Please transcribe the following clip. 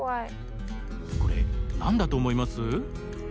これ何だと思います？